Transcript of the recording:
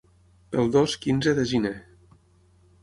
Pel dos-quinze de gener.